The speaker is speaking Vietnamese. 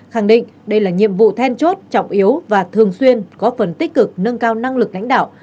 khẳng định đây là nhiệm vụ then chốt trọng yếu và thường xuyên có phần tích cực nâng cao năng lực lãnh đạo